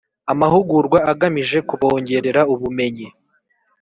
Amahugurwa agamije kubongerera ubumenyi;